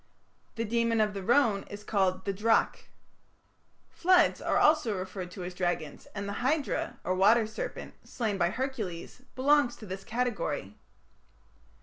The demon of the Rhone is called the "drac". Floods are also referred to as dragons, and the Hydra, or water serpent, slain by Hercules, belongs to this category.